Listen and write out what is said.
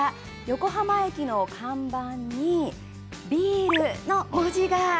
横浜駅の看板に「ビール」の文字が！